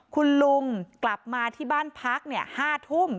คุณลุงกลับมาที่บ้านพัก๕ทุ่ม